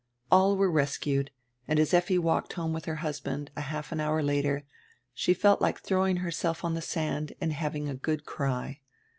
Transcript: All were rescued, and as Effi walked home with her husband a half hour later she felt like throwing herself on die sand and having a good cry.